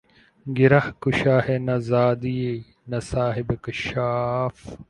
گرہ کشا ہے نہ رازیؔ نہ صاحب کشافؔ